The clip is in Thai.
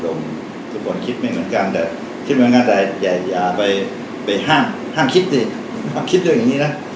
ทุกคนคิดไม่เหมือนกันแต่คิดเหมือนกันแต่อย่าไปห้ามห้ามคิดสิห้ามคิดเรื่องอย่างนี้นะ